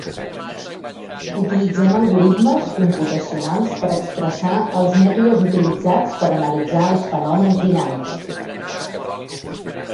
Utilitzem algoritmes computacionals per expressar els mètodes utilitzats per analitzar els fenòmens dinàmics.